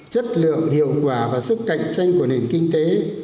chất lượng hiệu quả và sức cạnh tranh của nền kinh tế